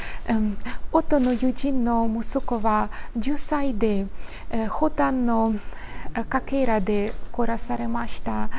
夫の友人の息子は、１０歳で、砲弾のかけらで殺されました。